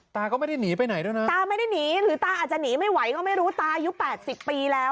ตาก็ไม่ได้หนีไปไหนด้วยนะตาไม่ได้หนีหรือตาอาจจะหนีไม่ไหวก็ไม่รู้ตาอายุ๘๐ปีแล้ว